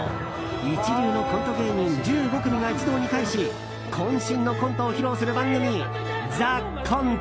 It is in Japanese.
一流のコント芸人１５組が一堂に会し渾身のコントを披露する番組「ＴＨＥＣＯＮＴＥ」。